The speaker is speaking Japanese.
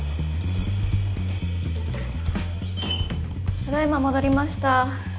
ただいま戻りました。